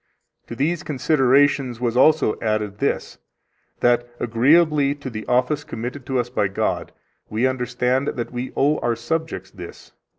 To these considerations was also added this that, agreeably to the office committed to us by God, we understand that we owe our subjects this, viz.